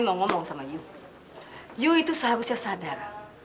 saya mau ngomong sama kamu kamu itu seharusnya sadar